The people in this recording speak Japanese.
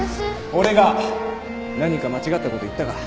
俺が何か間違ったこと言ったか？